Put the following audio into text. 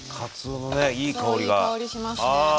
いい香りしますね。